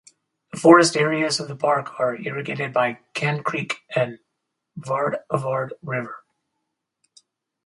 The forest areas of the park are irrigated by Kan Creek and Vardavard River.